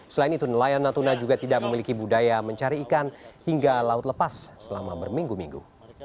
selain itu nelayan natuna juga tidak memiliki budaya mencari ikan hingga laut lepas selama berminggu minggu